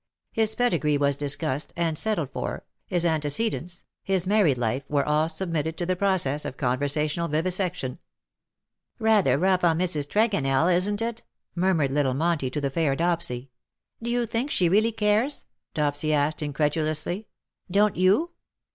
His pedigree was discussed_, and settled for — his ante cedents — his married life, were all submitted to the process of conversational vivisection. ^' Kather rough on Mrs. Tregonell, isn't it ?" mur mured little Monty to the fair Dopsy. " Do you think she really cares ?" Dopsy asked, incredulously. '' Don't you